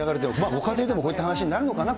ご家庭でもこういった話になるのかな。